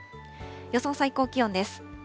予想最高気温です。